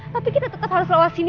tapi kita tetap harus lewat sini